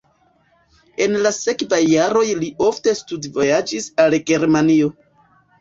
En la sekvaj jaroj li ofte studvojaĝis al Germanio.